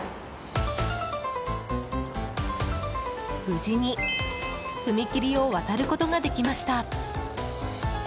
無事に踏切を渡ることができました。